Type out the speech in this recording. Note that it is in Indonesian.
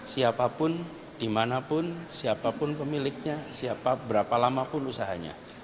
siapapun dimanapun siapapun pemiliknya siapa berapa lamapun usahanya